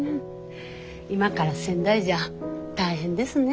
今から仙台じゃ大変ですね。